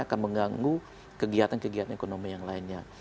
akan mengganggu kegiatan kegiatan ekonomi yang lainnya